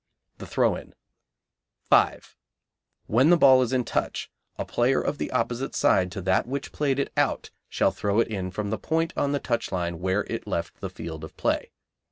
The Throw in. 5. When the ball is in touch, a player of the opposite side to that which played it out shall throw it in from the point on the touch line where it left the field of play.